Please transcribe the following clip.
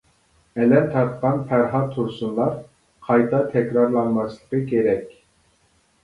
ئەلەم تارتقان پەرھات تۇرسۇنلار قايتا تەكرارلانماسلىقى كېرەك.